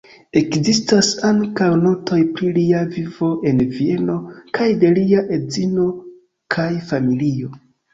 Ekzistas ankaŭ notoj pri lia vivo en Vieno kaj de lia edzino kaj familio.